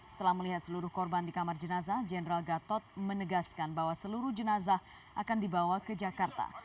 setelah melihat seluruh korban di kamar jenazah jenderal gatot menegaskan bahwa seluruh jenazah akan dibawa ke jakarta